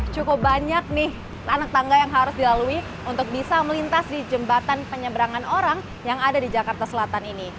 cukup banyak nih anak tangga yang harus dilalui untuk bisa melintas di jembatan penyeberangan orang yang ada di jakarta selatan ini